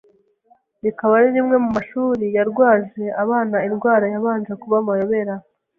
rikaba ari rimwe mu mashuri yarwaje abana indwara yabanje kuba amayobera